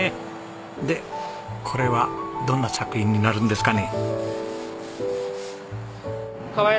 でこれはどんな作品になるんですかね？